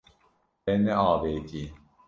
Te neavêtiye.